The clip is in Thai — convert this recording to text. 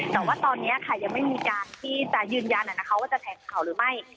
แต่ว่าตอนนี้ค่ะยังไม่มีการที่จะยืนยันว่าจะแถลงข่าวหรือไม่